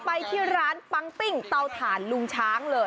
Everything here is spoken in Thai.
ไปที่ร้านปังปิ้งเตาถ่านลุงช้างเลย